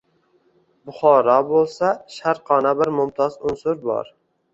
Buxoro bo‘lsa, Sharqona bir mumtoz unsur bor